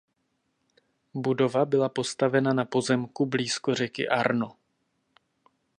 Budova byla postavena na pozemku blízko řeky Arno.